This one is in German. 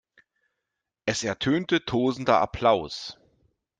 Es ertönte tosender Applaus.